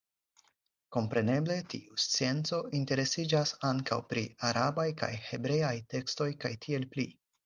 Kompreneble tiu scienco interesiĝas ankaŭ pri arabaj kaj hebreaj tekstoj kaj tiel pli.